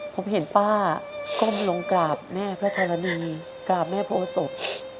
ผมเห็นป้าก้มลงกราบแม่พระธรณีกราบแม่โพศพ